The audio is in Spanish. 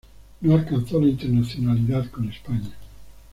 No alcanzó la internacionalidad con España.